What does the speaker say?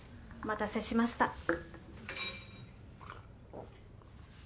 お待たせしました。